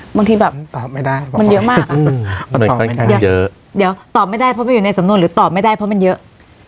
บางทีแบบตอบไม่ได้ว่ามันเยอะมากเดี๋ยวตอบไม่ได้เพราะมันอยู่ในสำนวนหรือตอบไม่ได้เพราะมันเยอะ